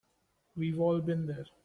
We've all been there.